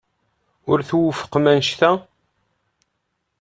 Ur twufqem anect-a?